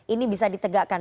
ini bisa ditegakkan